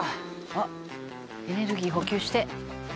「あっエネルギー補給して」